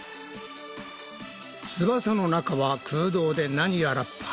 翼の中は空洞で何やらパイプが。